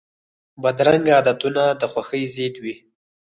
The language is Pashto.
بدرنګه عادتونه د خوښۍ ضد وي